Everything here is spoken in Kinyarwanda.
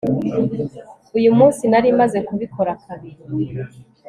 uyu munsi nari maze kubikora kabiri